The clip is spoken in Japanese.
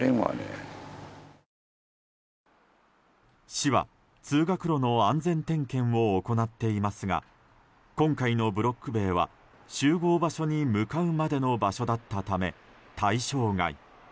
市は、通学路の安全点検を行っていますが今回のブロック塀は集合場所に向かうまでの場所だったため、対象外。